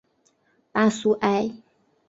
巴苏埃。